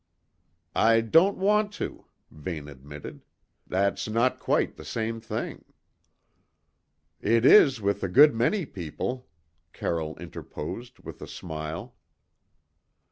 "I don't want to," Vane admitted. "That's not quite the same thing." "It is with a good many people," Carroll interposed with a smile.